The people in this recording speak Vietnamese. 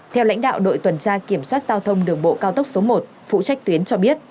theo lãnh đạo đội tuần tra kiểm soát giao thông đường bộ cao tốc số một phụ trách tuyến cho biết